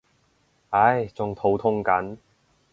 唉仲肚痛緊